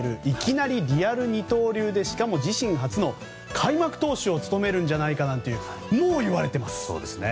いきなりリアル二刀流でしかも自身初の開幕投手を務めるんじゃないかと言われています。